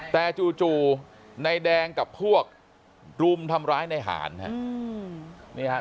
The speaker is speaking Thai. แต่จู่นายแดงกับพวกรุมทำร้ายในหารฮะ